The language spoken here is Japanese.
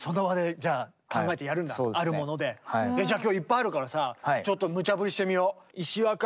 じゃあ今日いっぱいあるからさちょっとむちゃ振りしてみよう。